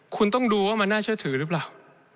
คุณต้องดูว่ามันน่าเชื่อถือหรือเปล่า